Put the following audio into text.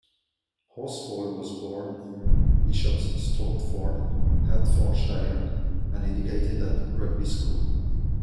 Horsfall was born in Bishop's Stortford, Hertfordshire, and educated at Rugby School.